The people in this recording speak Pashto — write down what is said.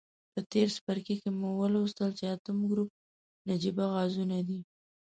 په تیر څپرکي کې مو ولوستل چې اتم ګروپ نجیبه غازونه دي.